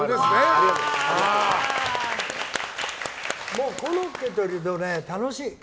もうコロッケといるとね楽しい。